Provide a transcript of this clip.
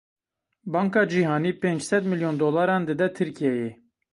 Banka Cîhanî pênç sed milyon dolaran dide Tirkiyeyê.